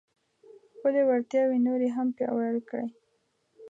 خپلې وړتیاوې نورې هم پیاوړې کړئ.